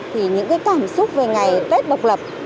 thì những cái cảm xúc về ngày tết độc lập